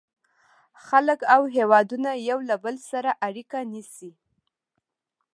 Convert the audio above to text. • خلک او هېوادونه یو له بل سره اړیکه نیسي.